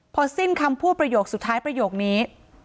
พอสิ้นคำพูดประโยคสุดท้ายประโยคนี้